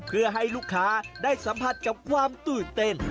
เพื่อให้ลูกค้าได้สัมผัสกับความตื่นเต้น